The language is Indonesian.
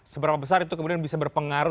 seberapa besar itu kemudian bisa berpengaruh